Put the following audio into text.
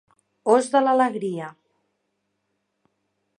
Os de l'alegria.